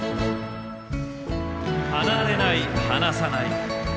「離れない離さない」